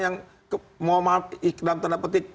yang mau iklam terdapat